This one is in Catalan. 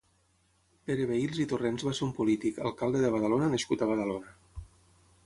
Pere Vehils i Torrents va ser un polític, alcalde de Badalona nascut a Badalona.